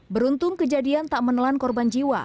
beruntung kejadian tak menelan korban jiwa